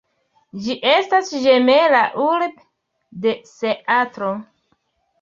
Ĝi estas ĝemela urbo de Seatlo.